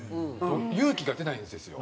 勇気が出ないんですよ。